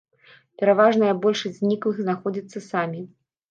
Пераважная большасць зніклых знаходзяцца самі.